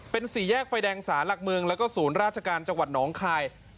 เป็นสี่แยกไฟแดงสารหลักเมืองแล้วก็ศูนย์ราชการจังหวัดน้องคาย